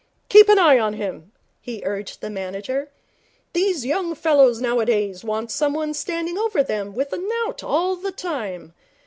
Keep an eye on him,' he urged the manager. 'These young fellows nowadays want someone standing over them with a knout all the time.